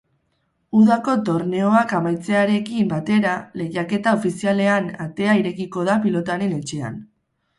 Udako torneoak amaitzearekin batera lehiaketa ofizialen atea irekiko da pilotaren etxean.